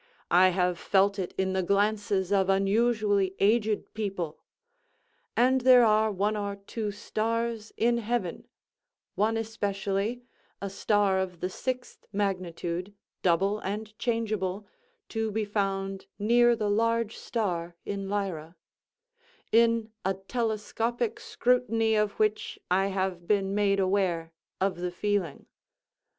I have felt it in the glances of unusually aged people. And there are one or two stars in heaven—(one especially, a star of the sixth magnitude, double and changeable, to be found near the large star in Lyra) in a telescopic scrutiny of which I have been made aware of the feeling.